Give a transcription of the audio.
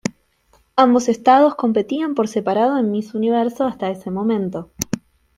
Ambos estados competían por separado en Miss Universo hasta ese momento.